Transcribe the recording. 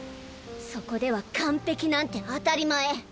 そこでは完璧なんて当たり前。